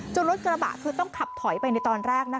รถกระบะคือต้องขับถอยไปในตอนแรก